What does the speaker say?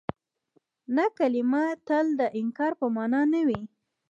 نه کلمه تل د انکار په مانا نه وي.